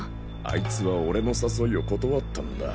あいつは俺の誘いを断ったんだ。